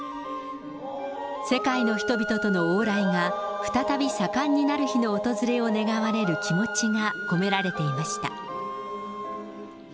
世界の人々との往来が再び盛んになる日の訪れを願われる気持ちが込められていました。